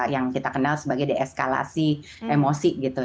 yang kita kenal sebagai deeskalasi emosi gitu